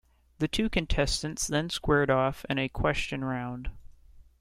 The two contestants then squared off in a question round.